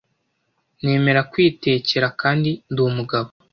nemera kwitekera kandi ndi umugabo